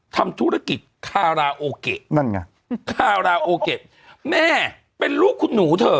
ทำธุรกิจคาราโอเกะนั่นไงคาราโอเกะแม่เป็นลูกคุณหนูเถอะ